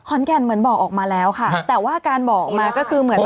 เหมือนแก่นเหมือนบอกออกมาแล้วค่ะแต่ว่าการบอกมาก็คือเหมือน